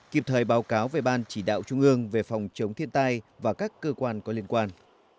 kịp thời báo cáo về ban chỉ đạo trung ương về phòng chống thiên tai và các cơ quan có liên quan